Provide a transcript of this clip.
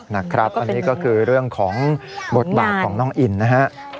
นะครับอันนี้ก็คือเรื่องของบทบาทของน้องอินนะฮะ